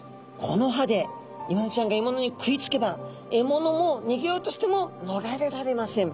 この歯でイワナちゃんがえものに食いつけばえものもにげようとしてものがれられません。